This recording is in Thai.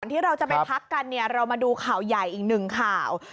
ที่เราจะไปพักกันเนี่ยเรามาดูข่าวใหญ่อีกหนึ่งข่าว